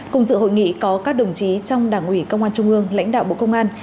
cùng dự hội nghị có các đồng chí trong đảng ủy công an trung ương lãnh đạo bộ công an